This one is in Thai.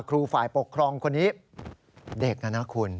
ครูฝ่ายปกครองคนนี้เด็กนะคุณ